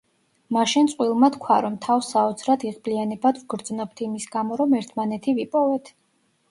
მაშინ წყვილმა თქვა, რომ „თავს საოცრად იღბლიანებად ვგრძნობთ იმის გამო, რომ ერთმანეთი ვიპოვეთ.